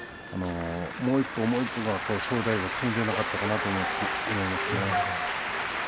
もう一歩もう一歩、正代がついていけなかったかなと思います。